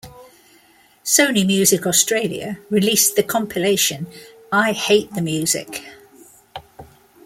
Sony Music Australia released the compilation "I Hate the Music".